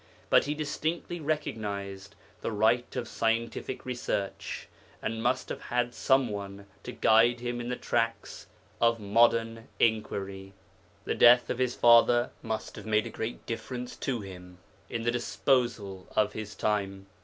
But he distinctly recognized the right of scientific research, and must have had some one to guide him in the tracks of modern inquiry. The death of his father must have made a great difference to him In the disposal of his time.